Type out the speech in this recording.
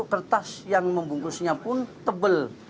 kertas yang membungkusnya pun tebal